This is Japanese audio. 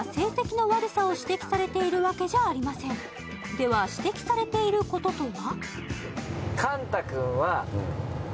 では、指摘されていることとは？